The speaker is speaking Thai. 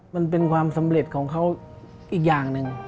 มันเป็นความสำเร็จของเขาอีกอย่างหนึ่ง